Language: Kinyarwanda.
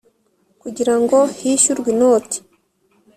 kugira ngo hishyurwe inoti